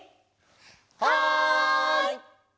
はい！